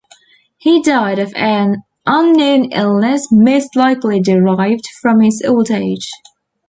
He died of an unknown illness most likely derived from his old age.